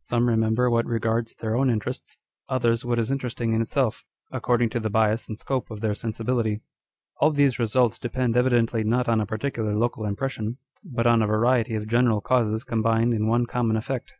Some re member what regards their own interests, others what is interesting in itself, according to the bias and scope of their sensibility. All these results depend evidently not on a particular local impression, but on a variety of general causes combined in one common effect.